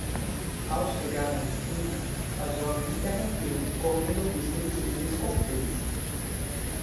Ao chegar na esquina, a jovem interrompeu, correndo o risco de ser descortês.